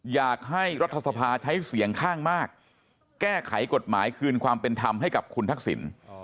อยากให้รัฐสภาใช้เสียงข้างมากแก้ไขกฎหมายคืนความเป็นธรรมให้กับคุณทักษิณ